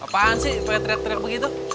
apaan sih pake tret tret begitu